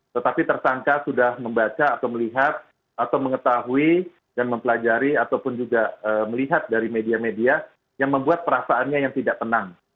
tetapi tersangka sudah membaca atau melihat atau mengetahui dan mempelajari ataupun juga melihat dari media media yang membuat perasaannya yang tidak tenang